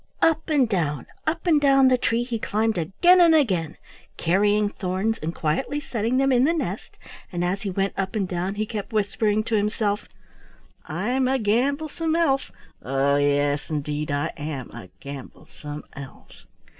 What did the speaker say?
Up and down, up and down the tree he climbed again and again, carrying thorns and quietly setting them in the nest, and as he went up and down he kept whispering to himself: "I'm a gamblesome elf; oh, yes, indeed I am a gamblesome elf."